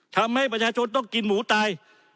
ทำให้ประชาชนต้องกินหมูตาย